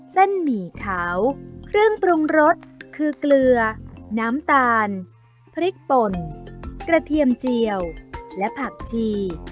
หมี่ขาวเครื่องปรุงรสคือเกลือน้ำตาลพริกป่นกระเทียมเจียวและผักชี